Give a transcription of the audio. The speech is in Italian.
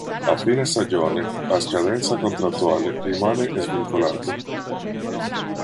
A fine stagione, a scadenza contrattuale, rimane svincolato.